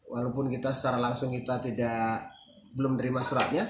walaupun kita secara langsung kita belum menerima surat